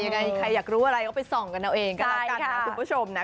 ยังไงใครอยากรู้อะไรก็ไปส่องกันเอาเองก็แล้วกันนะคุณผู้ชมนะ